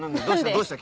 どうした？